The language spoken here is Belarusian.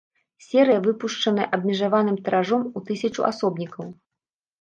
Серыя выпушчаная абмежаваным тыражом у тысячу асобнікаў.